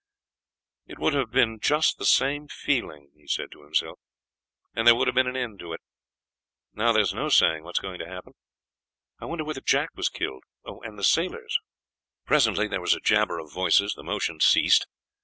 "It would have been just the same feeling," he said to himself, "and there would have been an end of it. Now there is no saying what is going to happen. I wonder whether Jack was killed, and the sailors." Presently there was a jabber of voices; the motion ceased.